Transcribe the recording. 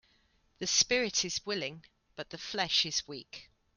The spirit is willing but the flesh is weak.